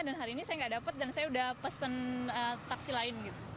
dan hari ini saya tidak dapat dan saya sudah pesan taksi lain